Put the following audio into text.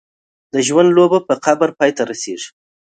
د ژوند لوبه په قبر پای ته رسېږي.